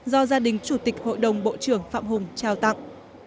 do gia đình chủ tịch hội đồng bộ trưởng phạm hùng trao tặng